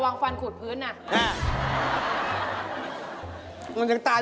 นอนนอนตาย